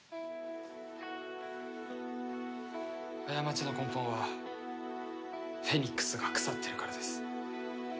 過ちの根本はフェニックスが腐ってるからです。